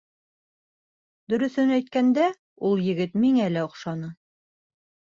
Дөрөҫөн әйткәндә, ул егет миңә лә оҡшаны.